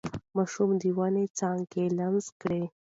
ماشوم د ونې څانګه لمس کړه.